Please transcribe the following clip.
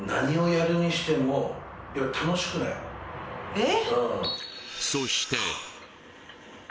・えっ？